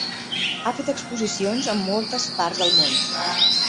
Ha fet exposicions en moltes parts del món.